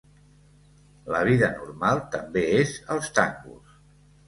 La vida normal també és als tangos.